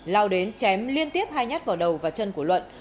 lao đến chém liên tiếp hai nhát vào đầu và chân của luận